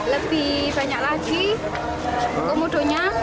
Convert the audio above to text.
lebih banyak lagi komodonya